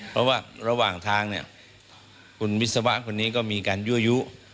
เพราะว่าระหว่างทางเนี่ยคุณวิศวะคนนี้ก็มีการยั่วยุ